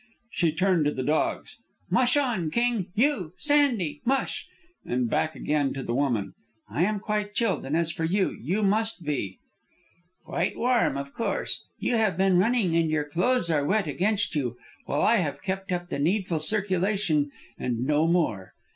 She turned to the dogs: "Mush on! King! You Sandy! Mush!" And back again to the woman, "I am quite chilled, and as for you, you must be " "Quite warm, of course. You have been running and your clothes are wet against you, while I have kept up the needful circulation and no more.